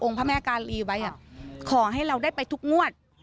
พระแม่กาลีไว้ขอให้เราได้ไปทุกงวด